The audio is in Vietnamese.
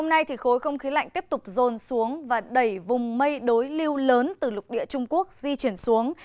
khi khối không khí lạnh tiếp tục rôn xuống và đẩy vùng mây đối lưu lớn từ lục địa trung quốc di chuyển xuống